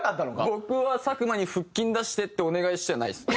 僕は佐久間に「腹筋出して」ってお願いしてはないです。